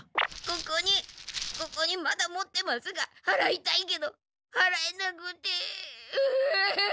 ここにここにまだ持ってますがはらいたいけどはらえなくてうう。